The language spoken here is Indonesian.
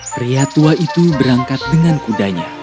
pria tua itu berangkat dengan kudanya